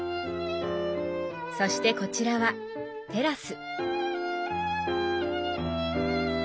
そしてこちらはテラス。